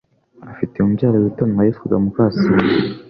afite mubyara witonda witwaga mukasine